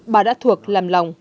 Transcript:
bà đã thuộc làm lòng